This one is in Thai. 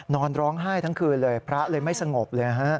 นอนร้องไห้ทั้งคืนเลยพระเลยไม่สงบเลยฮะ